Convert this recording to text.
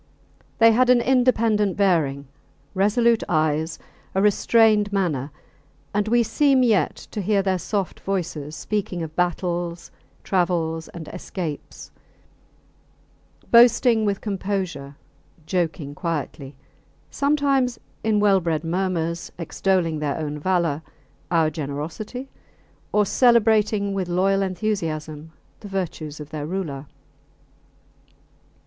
They had an independent bearing, resolute eyes, a restrained manner; and we seem yet to hear their soft voices speaking of battles, travels, and escapes; boasting with composure, joking quietly; sometimes in well bred murmurs extolling their own valour, our generosity; or celebrating with loyal enthusiasm the virtues of their ruler.